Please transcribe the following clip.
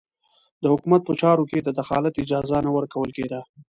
د حکومت په چارو کې د دخالت اجازه نه ورکول کېده.